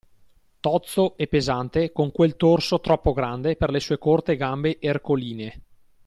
tozzo e pesante, con quel torso troppo grande per le sue corte gambe ercoline